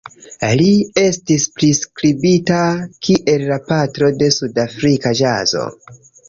Li estis priskribita kiel "la patro de sudafrika ĵazo.